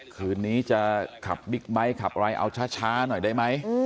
คืนนี้จะขับบิ๊กไบท์ขับอะไรเอาช้าหน่อยได้ไหม